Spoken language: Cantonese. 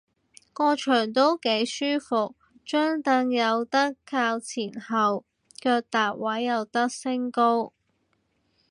個場都幾舒服，張櫈有得較前後，腳踏位有得升高